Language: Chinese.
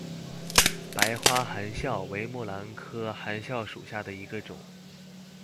白花含笑为木兰科含笑属下的一个种。